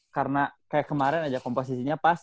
karena kayak kemarin aja komposisinya pas